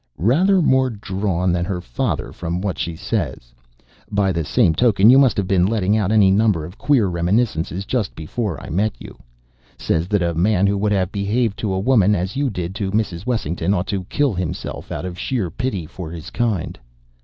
"Rather more drawn than her father from what she says. By the same token you must have been letting out any number of queer reminiscences just before I met you. 'Says that a man who would have behaved to a woman as you did to Mrs. Wessington ought to kill himself out of sheer pity for his kind.